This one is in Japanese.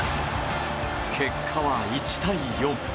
結果は１対４。